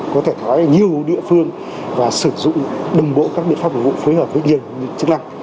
có thể nói ở nhiều địa phương và sử dụng đồng bộ các biện pháp phục vụ phối hợp với nhiều chức năng